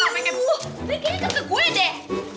nih kayaknya kena ke gue deh